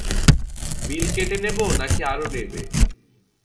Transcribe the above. বিল কেটে নেবো নাকি আরো নেবে?